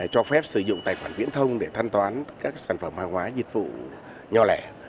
cho phép sử dụng tài khoản viễn thông để thanh toán các sản phẩm hàng hóa dịch vụ nhỏ lẻ